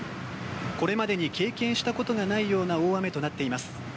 これまでに経験したことのないような大雨となっています。